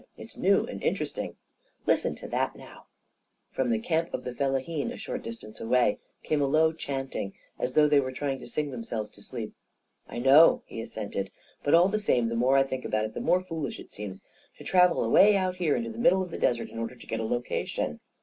" It's new and inter esting. Listen to that, now !" From the camp of the fellahin, a short distance away, came a low chanting, as though they were try ing to sing themselves to sleep. "I know," he assented; "but all the same, the more I think about it, the more foolish it seems to travel away out here into the middle of the desert in order to get a location.